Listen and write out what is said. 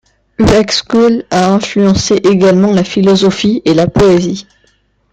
Uexküll a influencé également la philosophie et la poésie.